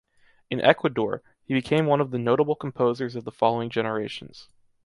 In Ecuador, he became one of the "notable composers of the following generations".